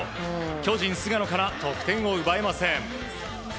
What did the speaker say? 巨人、菅野から得点を奪えません。